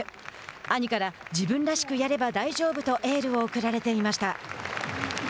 兄から自分らしくやれば大丈夫とエールを送られていました。